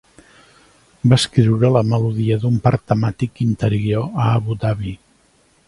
Va escriure la melodia d'un parc temàtic interior a Abu Dhabi.